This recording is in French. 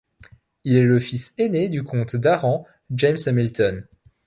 Il est le fils aîné du comte d'Arran James Hamilton.